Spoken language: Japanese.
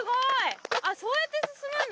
そうやって進むんだ